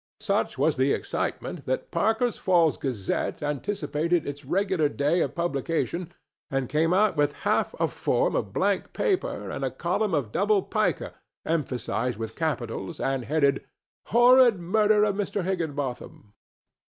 Such was the excitement that the Parker's Falls Gazette anticipated its regular day of publication, and came out with half a form of blank paper and a column of double pica emphasized with capitals and headed "HORRID MURDER OF MR. HIGGINBOTHAM!"